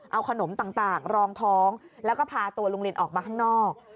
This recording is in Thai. เอาขนมต่างรองท้องแล้วก็พาตัวลุงลินออกมาข้างนอก